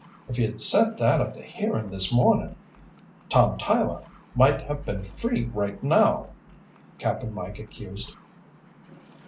"If you'd said that at the hearing this morning, Tom Tyler might have been free right now," Cap'n Mike accused.